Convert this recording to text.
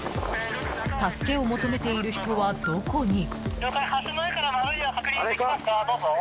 助けを求めている人は、どこに？